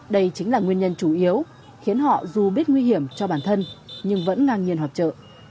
đây chính là nguyên nhân chủ yếu khiến họ dù biết nguy hiểm cho bản thân nhưng vẫn ngang nhiên họp trợ